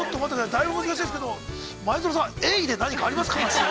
だいぶん難しいですけど、前園さん、エイで何かありますか。